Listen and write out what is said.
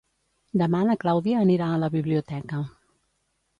Demà na Clàudia anirà a la biblioteca.